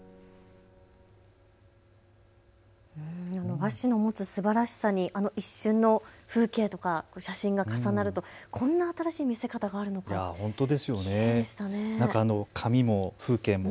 和紙の持つすばらしさに一瞬の風景とか写真が重なるとこんな新しい見せ方があるんですね。